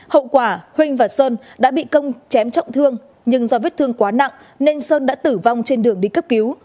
hậu quả huynh và sơn đã bị công chém trọng thương nhưng do vết thương quá nặng nên sơn đã tử vong trên đường đi cấp cứu